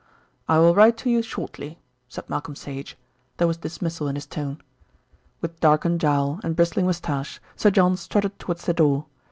"I will write to you shortly," said Malcolm Sage. There was dismissal in his tone. With darkened jowl and bristling moustache Sir John strutted towards the door. Mr.